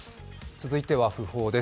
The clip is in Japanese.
続いては訃報です。